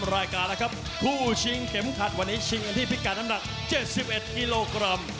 ทุกครั้งและภาพที่๗๕กิโลกรัมและ๕๑กิโลกรัม